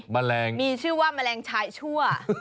แมลงมีชื่อว่าแมลงชายชั่ว